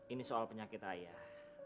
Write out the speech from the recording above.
ini soal penyakit ayah